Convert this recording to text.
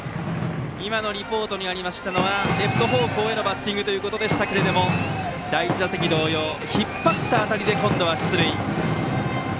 今のリポートにありましたのはレフト方向へのバッティングということでしたけど第１打席同様引っ張った当たりで今度は出塁。